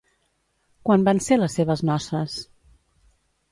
Quan van ser les seves noces?